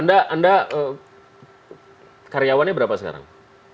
anda karyawannya berapa sekarang